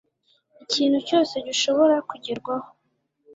ikintu cyose gishobora kugerwaho